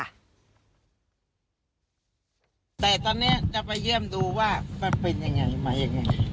แต่ตอนนี้จะไปเยี่ยมดูว่ามันเป็นยังไงไหมยังไง